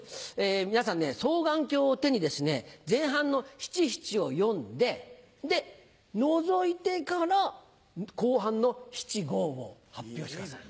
皆さんね双眼鏡を手にですね前半の七七を詠んででのぞいてから後半の七五を発表してください。